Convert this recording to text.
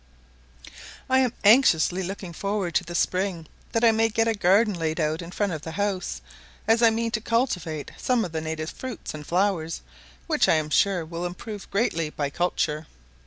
I am anxiously looking forward to the spring, that I may get a garden laid out in front of the house; as I mean to cultivate some of the native fruits and flowers, which, I am sure, will improve greatly by culture.